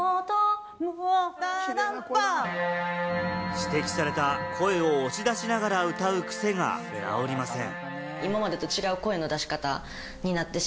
指摘された、声を押し出しながら歌う癖が直りません。